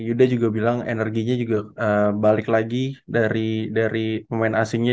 yuda juga bilang energinya juga balik lagi dari pemain asingnya